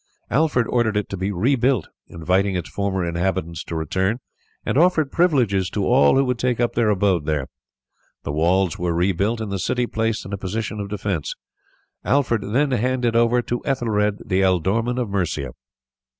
Alfred ordered it to be rebuilt, invited its former inhabitants to return, and offered privileges to all who would take up their abode there. The walls were rebuilt, and the city placed in a position of defence. Alfred then handed it over to Ethelred, the ealdorman of Mercia.